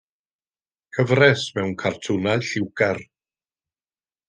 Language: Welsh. Cyfres mewn cartwnau lliwgar.